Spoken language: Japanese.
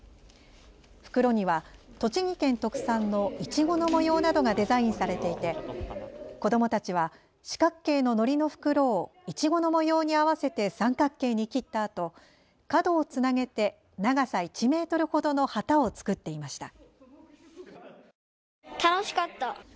袋には栃木県特産のいちごの模様などがデザインされていて子どもたちは四角形ののりの袋をいちごの模様に合わせて三角形に切ったあと角をつなげて長さ１メートルほどの旗を作っていました。